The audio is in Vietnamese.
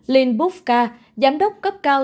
lynn bufka giám đốc cấp cao